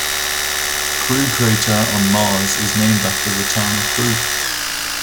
Crewe crater on Mars is named after the town of Crewe.